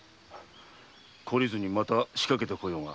懲りずにまた仕掛けてこようが。